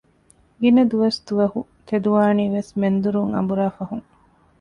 ގިނަ ދުވަސްދުވަހު ތެދުވާނީވެސް މެންދުރުން އަނބުރާ ފަހުން